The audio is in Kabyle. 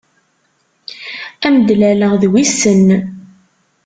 Ad am-d-laleɣ d wissen.